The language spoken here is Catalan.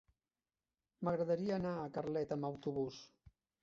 M'agradaria anar a Carlet amb autobús.